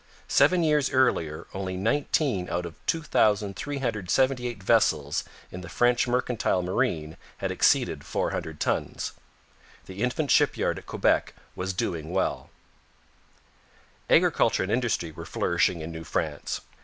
Seven years earlier only nineteen out of 2378 vessels in the French mercantile marine had exceeded four hundred tons. The infant shipyard at Quebec was doing well. Agriculture and industry were flourishing in New France.